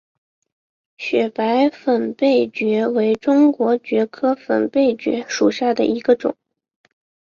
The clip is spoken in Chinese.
雪白粉背蕨为中国蕨科粉背蕨属下的一个种。